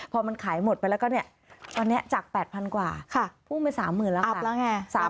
พอมันขายหมดไปแล้วก็เนี่ยตอนนี้จาก๘๐๐๐กว่าพุ่งไป๓๐๐๐แล้วอับแล้วไง